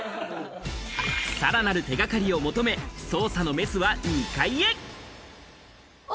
さらなる手掛かりを求め、捜査のメスは２階へ。